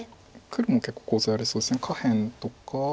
黒も結構コウ材ありそうです下辺とか。